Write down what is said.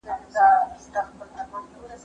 زه پرون مړۍ وخوړله